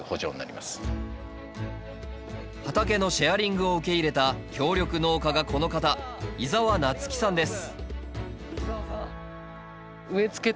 畑のシェアリングを受け入れた協力農家がこの方井沢夏樹さんです